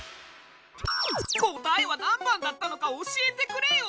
答えは何番だったのか教えてくれよ！